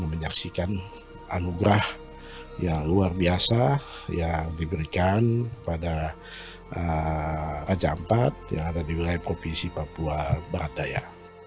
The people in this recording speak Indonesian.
dan menyaksikan anugerah yang luar biasa yang diberikan pada raja ampat yang ada di wilayah provinsi papua barat daya